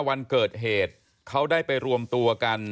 วันเกิดเหตุเขาได้ไปรวมตัวกัน